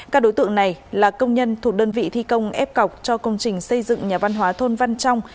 các đối tượng này là công nhân thuộc đơn vị thi công ép cọc cho công trình xây dựng nhà văn hóa thôn văn trong